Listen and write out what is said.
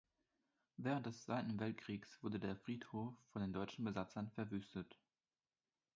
Während des Zweiten Weltkriegs wurde der Friedhof von den deutschen Besatzern verwüstet.